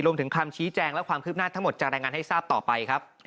คำชี้แจงและความคืบหน้าทั้งหมดจะรายงานให้ทราบต่อไปครับ